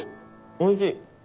おいしい！